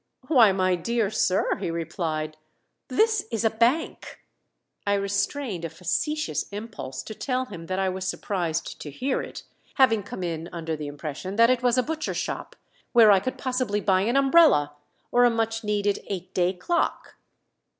"Why, my dear sir," he replied, "this is a bank!" I restrained a facetious impulse to tell him that I was surprised to hear it, having come in under the impression that it was a butcher shop, where I could possibly buy an umbrella, or a much needed eight day clock.